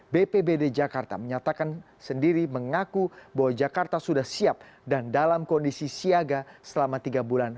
bpbd jakarta menyatakan sendiri mengaku bahwa jakarta sudah siap dan dalam kondisi siaga selama tiga bulan